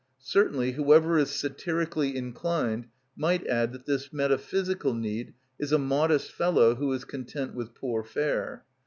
Certainly whoever is satirically inclined might add that this metaphysical need is a modest fellow who is content with poor fare.